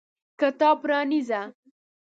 کتاب پرانیزه !